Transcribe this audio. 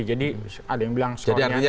jadi ada yang bilang skornya enam